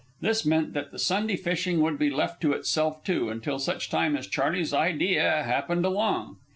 This meant that the Sunday fishing would be left to itself, too, until such time as Charley's idea happened along.